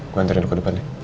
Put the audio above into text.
gue hantarin lu ke depan ya